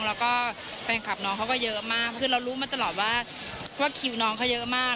แล้วก็แฟนคลับน้องเขาก็เยอะมากคือเรารู้มาตลอดว่าคิวน้องเขาเยอะมาก